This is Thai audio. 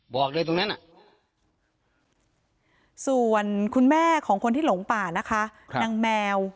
บอกเลยตรงนั้นส่วนคุณแม่ของคนที่หลงป่านะคะนางแมว